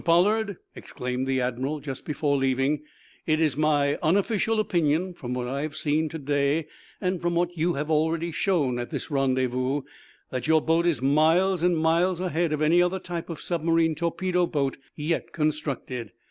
Pollard," exclaimed the admiral, just before leaving, "it is my unofficial opinion, from what I have seen to day, and from what you have already shown at this rendezvous, that your boat is miles and miles ahead of any other type of submarine torpedo boat yet constructed.